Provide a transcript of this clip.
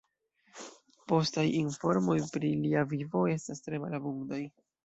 Postaj informoj pri lia vivo estas tre malabundaj.